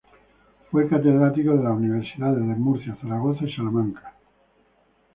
Fue catedrático de las Universidades de Murcia, Zaragoza y Salamanca.